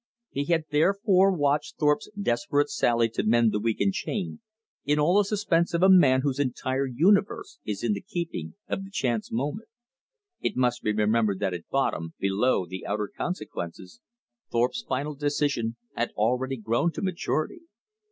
He had therefore watched Thorpe's desperate sally to mend the weakened chain, in all the suspense of a man whose entire universe is in the keeping of the chance moment. It must be remembered that at bottom, below the outer consciousness, Thorpe's final decision had already grown to maturity.